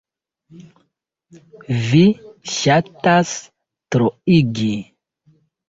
Vi ŝatas troigi!